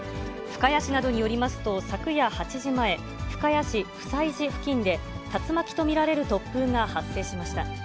深谷市などによりますと、昨夜８時前、深谷市普済寺付近で、竜巻と見られる突風が発生しました。